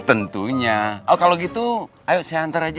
tentunya kalau gitu ayo saya hantar aja